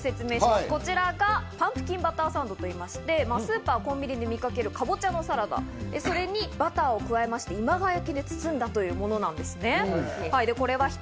こちらがパンプキンバターサンドと言いまして、スーパー、コンビニで見かけるかぼちゃのサラダ、それにバターを加えまして、今川焼で包んだものです。